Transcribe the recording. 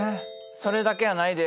それだけやないで。